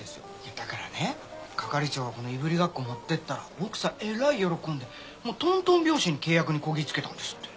だからね係長がこのいぶりがっこ持ってったら奥さんえらい喜んでとんとん拍子に契約にこぎつけたんですって。